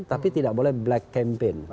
tapi tidak boleh black campaign